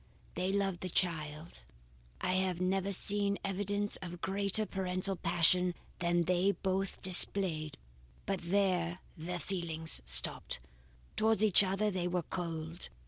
They loved the child; I have never seen evidence of greater parental passion than they both displayed, but there their feelings stopped. Towards each other they were cold.